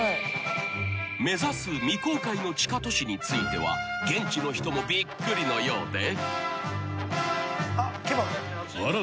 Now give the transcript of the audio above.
［目指す未公開の地下都市については現地の人もびっくりのようで］